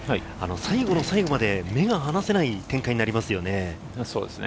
最後まで目が離せない展開になりますよね。